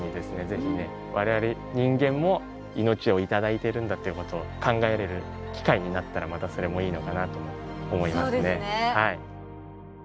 ぜひね我々人間も命を頂いてるんだっていうことを考えれる機会になったらまたそれもいいのかなと思いますね。